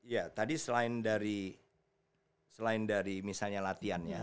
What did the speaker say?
ya tadi selain dari misalnya latihan ya